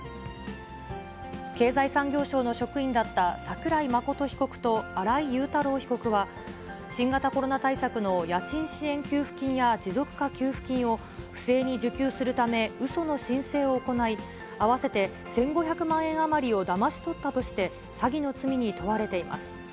経済産業省の職員だった桜井真被告と新井雄太郎被告は、新型コロナ対策の家賃支援給付金や持続化給付金を、不正に受給するため、うその申請を行い、合わせて１５００万円余りをだまし取ったとして、詐欺の罪に問われています。